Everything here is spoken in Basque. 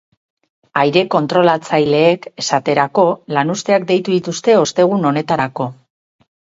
Aire-kontrolatzaileek, esaterako, lanuzteak deitu dituzte ostegun honetarako.